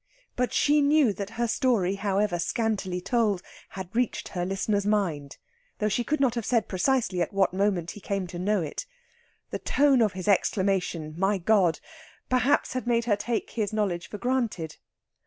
But she knew that her story, however scantily told, had reached her listener's mind, though she could not have said precisely at what moment he came to know it. The tone of his exclamation, "My God!" perhaps had made her take his knowledge for granted.